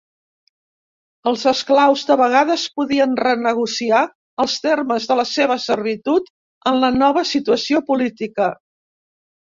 Els esclaus de vegades podien renegociar els termes de la seva servitud en la nova situació política.